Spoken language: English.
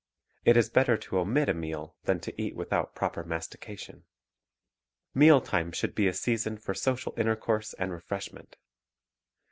It is better to omit a meal than to eat without proper mastication. Meal time should be a season for social intercourse and refreshment.